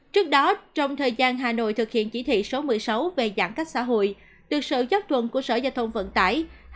trước đó trong thời gian hà nội thực hiện chỉ thị số một mươi sáu về giãn cách xã hội từ sở giáp thuận của sở gia thông vận tải